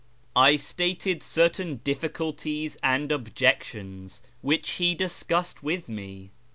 I stated certain difficulties and objections, which he discussed with me.